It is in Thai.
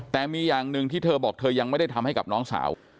แต่มีอย่างหนึ่งที่เธอบอกเธอยังไม่ได้ทำให้กับน้องสาว